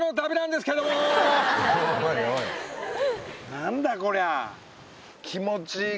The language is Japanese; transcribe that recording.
何だこりゃ。